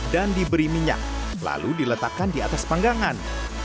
dan diberi minyak lalu diletakkan di atas panggangan